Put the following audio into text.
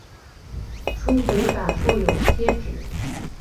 初回版附有贴纸。